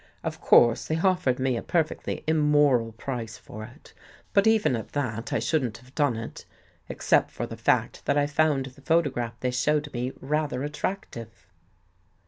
Of course they offered me a perfectly immoral price for it, but even at that, I shouldn't have done it, except for the fact that I found the photograph they showed me rather attractive."